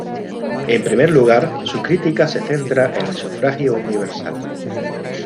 En primer lugar, su crítica se centra en el sufragio universal.